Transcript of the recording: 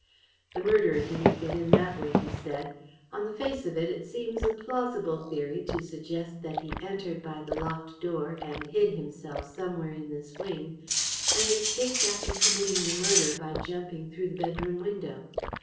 "The murderer didn't get in that way," he said. "On the face of it, it seems a plausible theory to suggest that he entered by the locked door and hid himself somewhere in this wing, and escaped after committing the murder by jumping through the bedroom window.